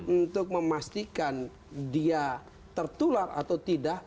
untuk memastikan dia tertular atau tidak